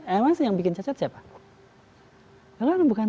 emang yang bikin cacat siapa